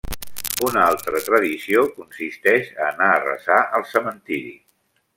Una altra tradició consisteix a anar a resar al cementiri.